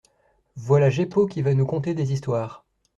Voilà Jeppo qui va nous conter des histoires !